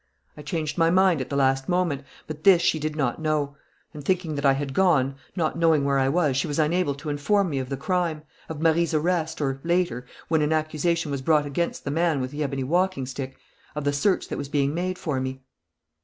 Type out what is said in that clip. I changed my mind at the last moment; but this she did not know; and, thinking that I had gone, not knowing where I was, she was unable to inform me of the crime, of Marie's arrest, or, later, when an accusation was brought against the man with the ebony walking stick, of the search that was being made for me."